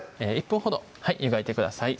１分ほど湯がいてください